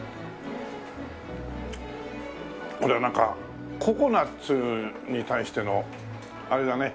これはなんかココナッツに対してのあれだね